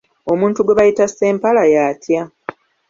Omuntu gwe bayita Ssempala y'atya?